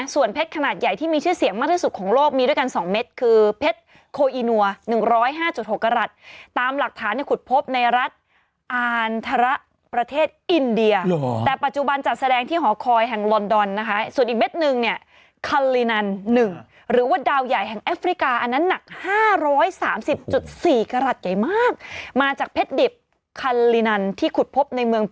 ส่วนเพชรขนาดใหญ่ที่มีชื่อเสียงมากที่สุดของโลกมีด้วยกัน๒เม็ดคือเพชรโคอีนัว๑๐๕๖กรัฐตามหลักฐานเนี่ยขุดพบในรัฐอานทรประเทศอินเดียแต่ปัจจุบันจัดแสดงที่หอคอยแห่งลอนดอนนะคะส่วนอีกเม็ดหนึ่งเนี่ยคัลลินัน๑หรือว่าดาวใหญ่แห่งแอฟริกาอันนั้นหนัก๕๓๐๔กรัฐใหญ่มากมาจากเพชรดิบคันลินันที่ขุดพบในเมือง